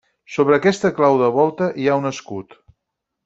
Sobre aquesta clau de volta hi ha un escut.